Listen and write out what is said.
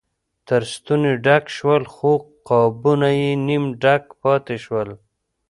تر ستوني ډک شول خو قابونه یې نیم ډک پاتې شول.